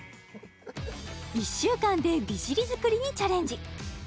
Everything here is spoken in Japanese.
１週間で美尻作りにチャレンジ